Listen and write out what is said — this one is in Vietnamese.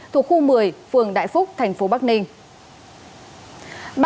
thuộc khu một mươi phường đại phúc thành phố bắc ninh